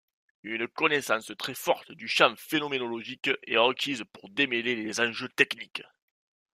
Une connaissance très forte du champ phénoménologique est requise pour démêler les enjeux techniques.